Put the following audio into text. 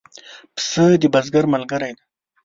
پسه د بزګر ملګری دی.